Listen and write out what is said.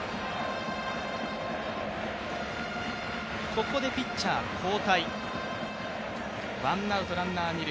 ここでピッチャー交代、ワンアウトランナー二塁。